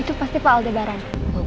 itu pasti pak aldebaran